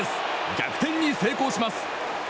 逆転に成功します。